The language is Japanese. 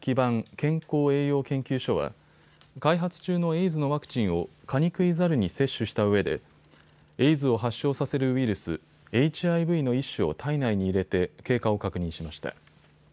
・健康・栄養研究所は開発中のエイズのワクチンをカニクイザルに接種したうえでエイズを発症させるウイルス、ＨＩＶの一種を体内に入れて経過を確認しました。